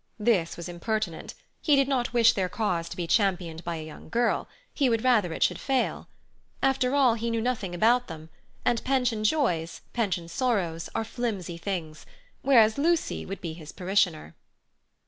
This was impertinent; he did not wish their cause to be championed by a young girl: he would rather it should fail. After all, he knew nothing about them, and pension joys, pension sorrows, are flimsy things; whereas Lucy would be his parishioner.